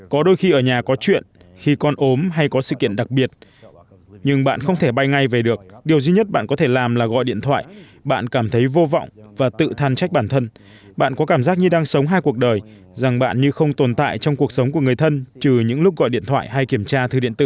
có đôi khi ở nhà có chuyện khi con ốm hay có sự kiện đặc biệt nhưng bạn không thể bay ngay về được điều duy nhất bạn có thể làm là gọi điện thoại bạn cảm thấy vô vọng và tự than trách bản thân bạn có cảm giác như đang sống hai cuộc đời rằng bạn như không tồn tại trong cuộc sống của người thân trừ những lúc gọi điện thoại hay kiểm tra thư điện tử